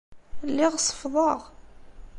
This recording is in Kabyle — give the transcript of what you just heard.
Lliɣ seffḍeɣ.